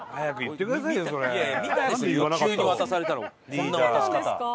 こんな渡し方。